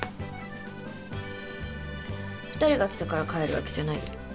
２人が来たから帰るわけじゃないよ。